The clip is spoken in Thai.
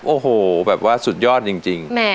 โอ้โหแบบว่าสุดยอดจริง